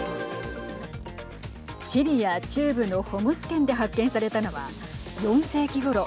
シリア中部のホムス県で発見されたのは４世紀ごろ